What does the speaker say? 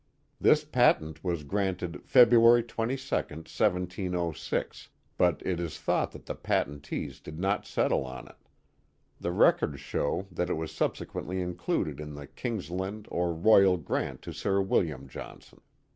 This patent was granted February 22, 1706, but it is thought that the patentees did not settle on it. The records show that it was subsequently included in the Kings land or Royal Grant to Sir William Johnson.